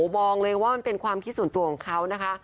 บอกเลยว่ามันเป็นความคิดส่วนตัวของเขานะคะ